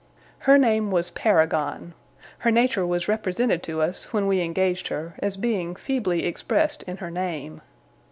Her name was Paragon. Her nature was represented to us, when we engaged her, as being feebly expressed in her name.